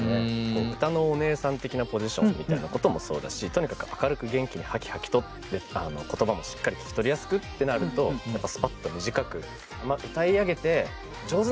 うたのお姉さん的なポジションみたいなこともそうだしとにかく明るく元気にハキハキとって言葉もしっかり聞き取りやすくってなるとやっぱスパッと短く。